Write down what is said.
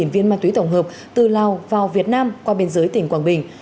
ba trăm linh bốn viên ma túy tổng hợp từ lào vào việt nam qua biên giới tỉnh quảng bình